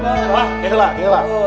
emang nih lah nih lah